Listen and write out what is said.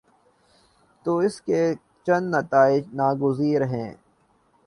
تو اس کے چند نتائج ناگزیر ہیں۔